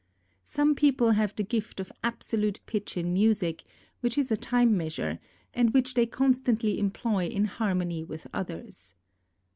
Some people have the gift of absolute pitch in music, which is a time measure, and which they constantly employ in harmony with others.